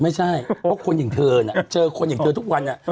ไม่ใช่เพราะคนอย่างเธอน่ะเจอคนอย่างเธอทุกวัน